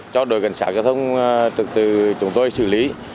cho đội cảnh sát giao thông trực tự chúng tôi xử lý